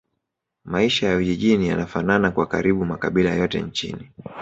Maisha ya vijijini yanafanana kwa karibu makabila yote nchini